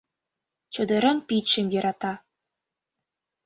Чодыран пичшым йӧрата.